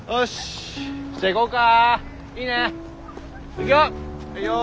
いくよ！